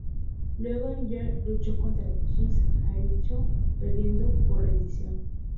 Luego en Backlash lucho contra Chris Jericho, perdiendo por rendición.